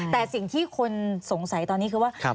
แต่สิ่งที่คนสงสัยตอนนี้คือว่า